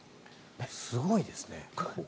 すごいですね。